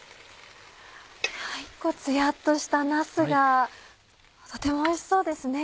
ツヤっとしたなすがとてもおいしそうですね。